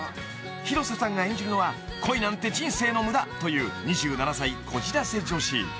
［広瀬さんが演じるのは「恋なんて人生の無駄」という２７歳こじらせ女子］